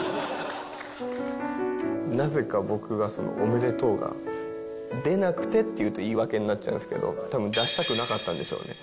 なぜか僕が「おめでとう」が出なくてっていうと言い訳になっちゃうんですけどたぶん出したくなかったんでしょうね